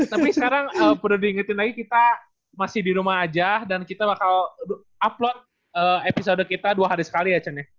tapi sekarang perlu diingetin lagi kita masih di rumah aja dan kita bakal upload episode kita dua hari sekali ya chan ya